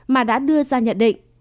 mà đã đưa ra nhận định